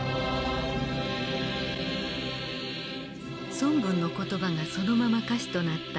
孫文の言葉がそのまま歌詞となった校歌。